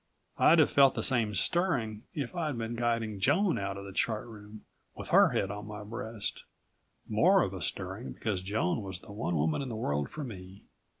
I'd have felt the same stirring if I'd been guiding Joan out of the Chart Room with her head on my breast more of a stirring because Joan was the one woman in the world for me.